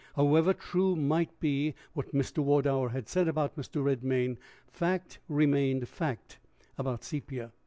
However true might be what Mr. Wardour had said about Mr. Redmain, fact remained fact about Sepia!